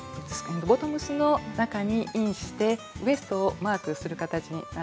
ボトムスの中にインしてウエストをマークする形になっていますね。